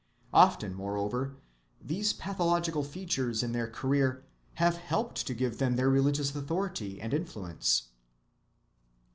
Often, moreover, these pathological features in their career have helped to give them their religious authority and influence.